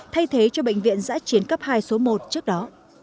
thay thế cho bệnh viện giã chiến cấp hai số một trước đó